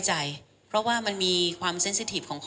ซึ่งเราพูดไม่ได้ถ้าเข้าไปหาหมอสู